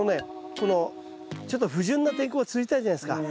このちょっと不順な天候が続いたじゃないですか？